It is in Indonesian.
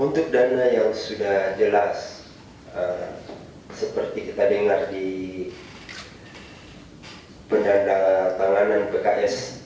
untuk dana yang sudah jelas seperti kita dengar di pendatanganan pks